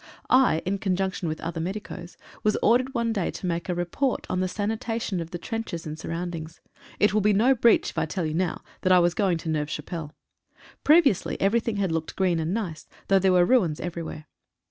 I, in conjunction with other medicos, was ordered one day to make a report on the sanitation of the trenches and surroundings. It will be no breach if I tell you now, that I was going to Neuve Chapelle. Previously everything had looked green and nice, though there were ruins everywhere.